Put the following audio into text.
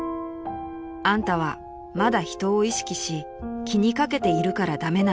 ［「あんたはまだ人を意識し気に掛けているから駄目なんだ」］